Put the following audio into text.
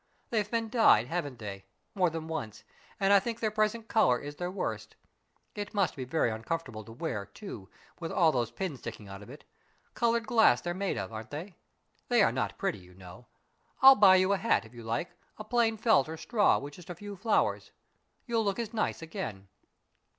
They've been dyed, haven't they? more than once, and I think their present color is their worst. It must be very uncomfortable to wear, too, with all those pins sticking out of it. Colored glass they are made of, aren't they? They are not pretty, you know. I'll buy you a hat, if you like, a plain felt or straw, with just a few flowers. You'll look as nice again."